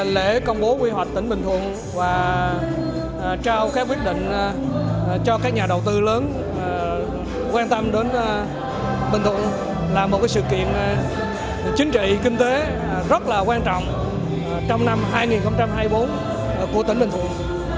lễ công bố quy hoạch tỉnh bình thuận và trao các quyết định cho các nhà đầu tư lớn quan tâm đến bình thuận là một sự kiện chính trị kinh tế rất là quan trọng trong năm hai nghìn hai mươi bốn của tỉnh bình thuận